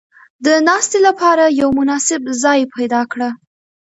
• د ناستې لپاره یو مناسب ځای پیدا کړه.